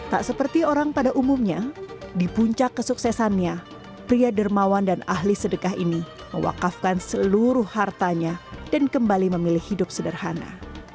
tak seperti orang pada umumnya di puncak kesuksesannya pria dermawan dan ahli sedekah ini mewakafkan seluruh hartanya dan kembali memilih hidup sederhana